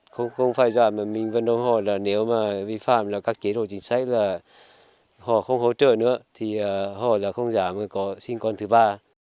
không phải do mình vận động họ là nếu mà vi phạm các kế độ chính sách là họ không hỗ trợ nữa thì họ là không dám có sinh con thứ ba